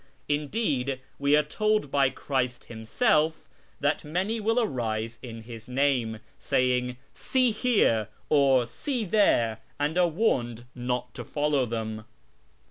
Indeed, we are told hy Christ Himself that many will arise in llis name, saying ' See here,' or ' See there,' and are warned not to follow them."